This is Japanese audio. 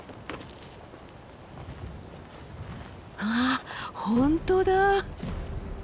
わあ本当だ。